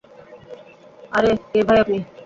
আরেহ, কে ভাই আপনি?